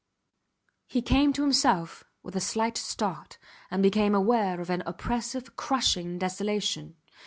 . He came to himself with a slight start, and became aware of an oppressive, crushing desolation.